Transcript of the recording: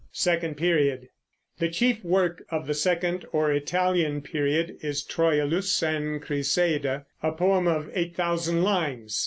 SECOND PERIOD. The chief work of the second or Italian period is Troilus and Criseyde, a poem of eight thousand lines.